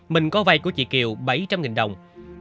minh có vay của chị kiều bảy trăm linh đồng